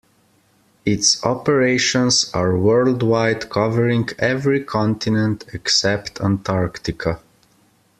Its operations are worldwide covering every continent except Antarctica.